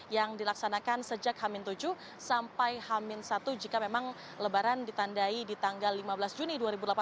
yang dilaksanakan sejak hamin tujuh sampai hamin satu jika memang lebaran ditandai di tanggal lima belas juni dua ribu delapan belas